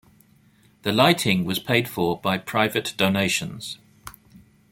The lighting was paid for by private donations.